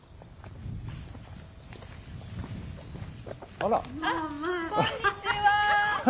あっこんにちは。